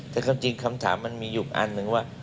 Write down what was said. แต่ความจริงคำถามมันมีอยู่อันหนึ่งว่า